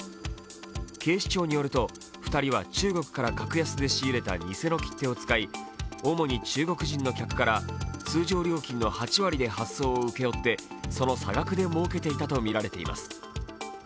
警視庁によると２人は中国で仕入れた偽の切手を使い、主に中国人の客から通常料金の８割で発送を請け負ってその差額でもうけていたとみられています。